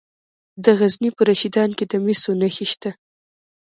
د غزني په رشیدان کې د مسو نښې شته.